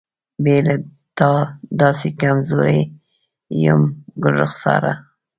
بې له تا داسې کمزوری یم ګلرخساره.